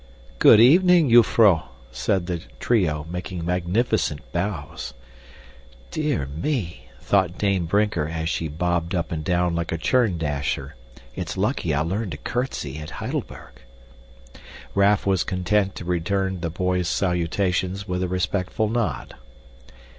"Good evening, jufvrouw," said the trio, making magnificent bows. Dear me, thought Dame Brinker as she bobbed up and down like a churn dasher, it's lucky I learned to curtsy at Heidelberg! Raff was content to return the boys' salutations with a respectful nod.